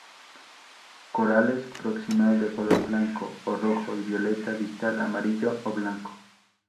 Corolas proximal de color blanco o rojo y violeta, distal amarillo o blanco.